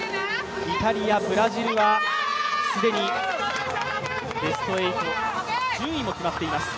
イタリア、ブラジルは既にベスト８、順位も決まっています。